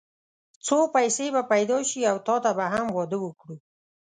څو پيسې به پيدا شي او تاته به هم واده وکړو.